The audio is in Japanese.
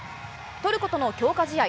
トルコとの強化試合。